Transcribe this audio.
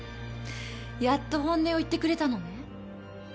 やっと本音を言ってくれたのね。